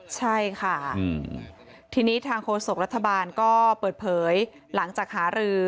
ใช่ค่ะทีนี้ทางโฆษกรัฐบาลก็เปิดเผยหลังจากหารือ